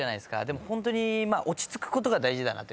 でもホントに落ち着くことが大事だなと。